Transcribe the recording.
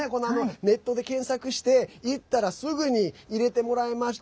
ネットで検索して、行ったらすぐに入れてもらえました。